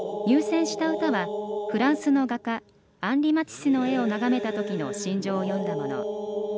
入選した歌は、フランスの画家アンリ・マティスの絵を眺めたときの心情を詠んだもの。